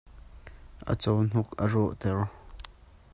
A cawhnuk a rawh ter.